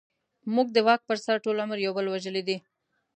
موږ د واک پر سر ټول عمر يو بل وژلې دي.